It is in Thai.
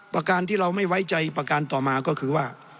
การที่เราไม่ไว้ใจประการต่อมาก็คือว่า